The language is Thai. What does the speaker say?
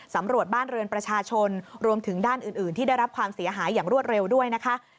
สำรวจบ้านเรือนประชาชนรวมถึงด้านอื่นที่ได้รับความเสียหายอย่างรวดเร็วด้วยนะคะ